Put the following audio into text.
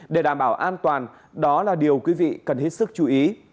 để đảm bảo an toàn đó là điều quý vị cần hết sức chú ý